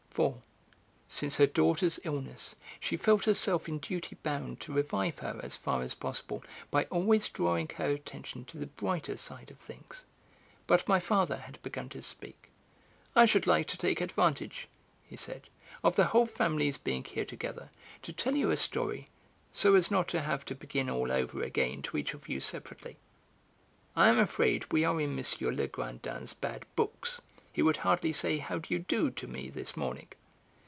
for, since her daughter's illness, she felt herself in duty bound to revive her as far as possible by always drawing her attention to the brighter side of things. But my father had begun to speak. "I should like to take advantage," he said, "of the whole family's being here together, to tell you a story, so as not to have to begin all over again to each of you separately. I am afraid we are in M. Legrandin's bad books; he would hardly say 'How d'ye do' to me this morning."